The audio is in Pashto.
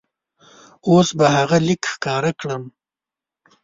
اوس به هغه لیک ښکاره کړم.